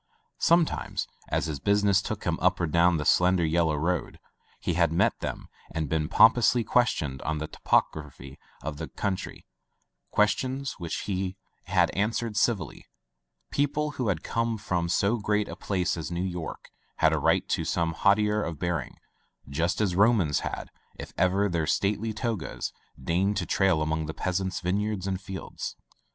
Some times, as his business took him up or down the slender yellow road, he had met them and been pompously questioned on the topog raphy of the country, questions which he [ 291 ] Digitized by LjOOQ IC Interventions had answered civilly. People who came from so great a place as New York had a right to some hauteur of bearing, just as Romans had, if ever their stately togas deigned to trail among the peasants' vineyards and fields.